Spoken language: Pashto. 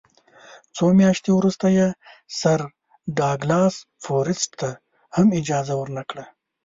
څو میاشتې وروسته یې سر ډاګلاس فورسیت ته هم اجازه ورنه کړه.